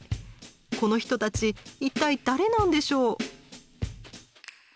この人たち一体誰なんでしょう？